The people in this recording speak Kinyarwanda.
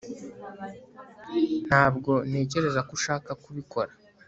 Ntabwo ntekereza ko ushaka kubikora